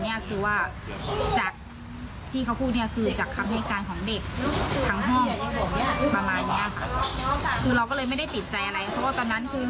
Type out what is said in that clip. ตบอย่างไรลูกทำอย่างไรเขาทำอย่างไร